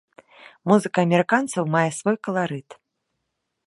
Музыка амерыканцаў мае свой каларыт.